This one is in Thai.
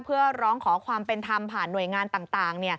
เพื่อร้องขอความเป็นธรรมผ่านหน่วยงานต่าง